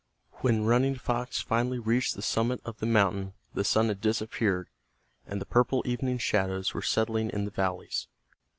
When Running Fox finally reached the summit of the mountain the sun had disappeared, and the purple evening shadows were settling in the valleys.